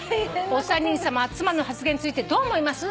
「お三人さまは妻の発言についてどう思います？」